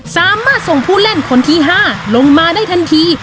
สามารถส่งผู้เล่นคนที่๕ลงมาได้ทันที